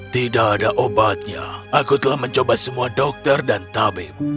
tidak ada obatnya aku telah mencoba semua dokter dan tabib